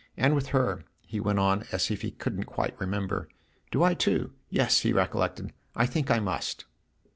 And with her" he went on as if he couldn't quite remember "do I too? Yes," he recollected, "I think I must."